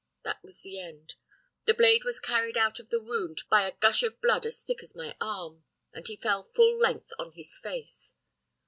That was the end. The blade was carried out of the wound by a gush of blood as thick as my arm, and he fell full length on his face.